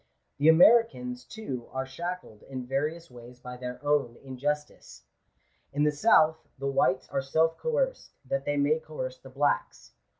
The Americans, too, are shackled in various ways by their own injustice. In the south, the whites are self coerced, that they may coerce the blacks.